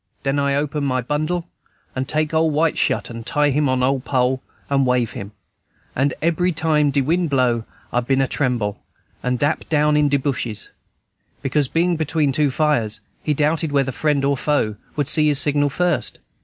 Den I open my bundle, and take ole white shut and tie him on ole pole and wave him, and ebry time de wind blow, I been a tremble, and drap down in de bushes," because, being between two fires, he doubted whether friend or foe would see his signal first.